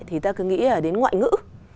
thì ta cứ nghĩ đến ngoại ngữ